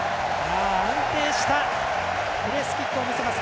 安定したプレースキックを見せます。